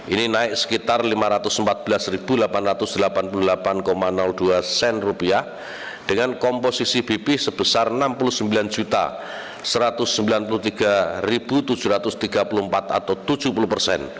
ini naik sekitar rp lima ratus empat belas delapan ratus delapan puluh delapan dua sen dengan komposisi bp sebesar rp enam puluh sembilan satu ratus sembilan puluh tiga tujuh ratus tiga puluh empat atau tujuh puluh persen